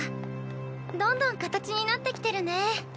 どんどん形になってきてるね。